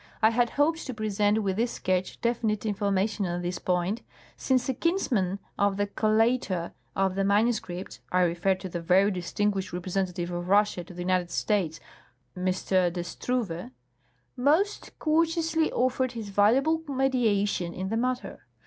I had hoped to present with this sketch definite information on this point, since a kinsman of the collator of the manuscripts (I refer to the very distinguished representative of Russia to the United States, M. de Struve) most courteously offered his valuable mediation in the matter.